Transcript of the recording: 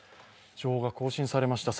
情報が更新されました。